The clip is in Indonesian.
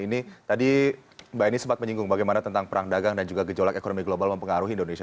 ini tadi mbak eni sempat menyinggung bagaimana tentang perang dagang dan juga gejolak ekonomi global mempengaruhi indonesia